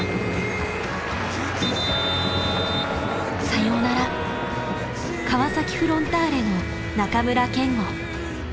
さよなら川崎フロンターレの中村憲剛。